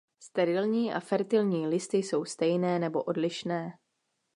Sterilní a fertilní listy jsou stejné nebo odlišné.